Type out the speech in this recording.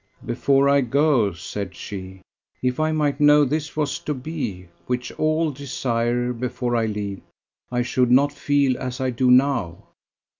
"Before I go!" said she. "If I might know this was to be, which all desire, before I leave, I should not feel as I do now.